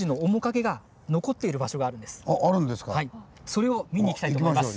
それを見に行きたいと思います。